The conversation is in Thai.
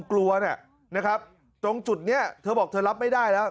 กลัวนะครับตรงจุดนี้เธอบอกเธอรับไม่ได้แล้ว